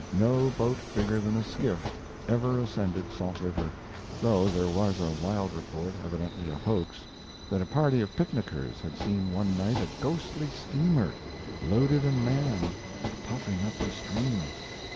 No boat bigger than a skiff ever ascended Salt River, though there was a wild report, evidently a hoax, that a party of picnickers had seen one night a ghostly steamer, loaded and manned, puffing up the stream.